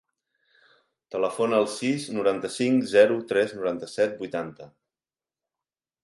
Telefona al sis, noranta-cinc, zero, tres, noranta-set, vuitanta.